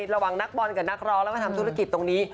ระหว่างนักบอลกับนักร้องแล้วก็ทำธุรกิจตรงนี้